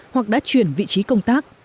hoặc đã chuyển vị trí công tác